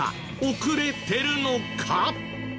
遅れてるのか？